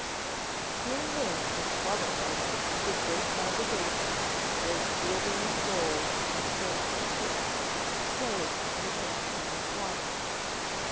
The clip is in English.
Here and there in this flower garden stood great marble basins where glittering gold and silver fish played in the transparent water.